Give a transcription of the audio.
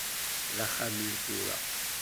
D axxam-iw tura.